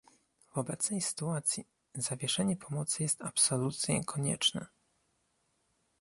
W obecnej sytuacji zawieszenie pomocy jest absolutnie konieczne